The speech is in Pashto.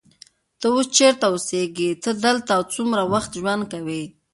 ته اوس چیرته اوسېږې؟ ته دلته څومره وخت ژوند کوې؟